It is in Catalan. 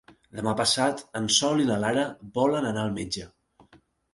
Demà passat en Sol i na Lara volen anar al metge.